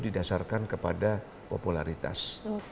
didasarkan kepada popularitas